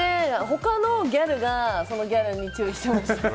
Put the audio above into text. ほかのギャルが、そのギャルに注意してました。